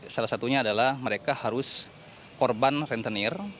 salah satunya adalah mereka harus korban rentenir